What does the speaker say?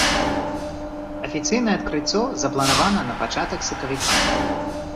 Афіцыйнае адкрыццё запланавана на пачатак сакавіка.